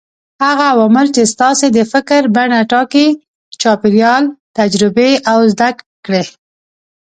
هغه عوامل چې ستاسې د فکر بڼه ټاکي: چاپېريال، تجربې او زده کړې.